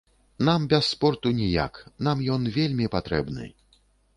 Нам без спорту ніяк, нам ён вельмі патрэбны.